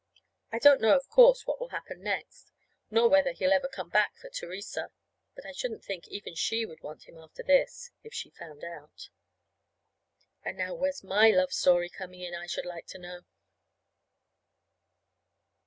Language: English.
I don't know, of course, what will happen next, nor whether he'll ever come back for Theresa; but I shouldn't think even she would want him, after this, if she found out. And now where's my love story coming in, I should like to know?